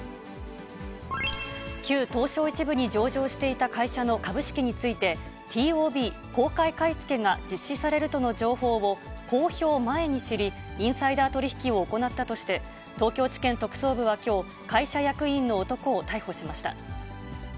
旧東証１部に上場していた会社の株式について、ＴＯＢ・公開買い付けが実施されるとの情報を、公表前に知り、インサイダー取り引きを行ったとして、東京地検特捜部はきょう、会社役員の男を逮捕しました。